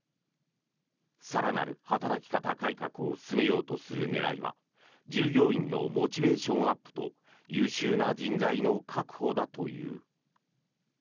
更なる働き方改革を進めようとする狙いは従業員のモチベーションアップと優秀な人材の確保だという。